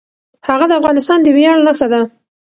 هغه د افغانستان د ویاړ نښه ده.